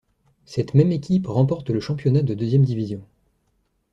Cette même équipe remporte le championnat de deuxième division.